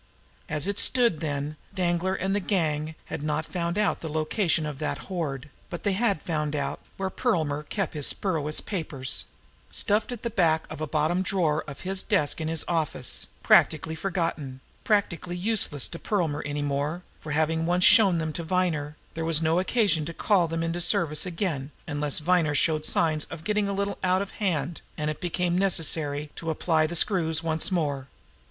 As it stood, then, Danglar and the gang had not found out the location of that hoard; but they had found out where Perlmer kept his spurious papers stuffed in at the back of the bottom drawer of his desk in his office, practically forgotten, practically useless to Perlmer any more, for, having once shown them to Viner, there was no occasion to call them into service again unless Viner showed signs of getting a little out of hand and it became necessary to apply the screws once more.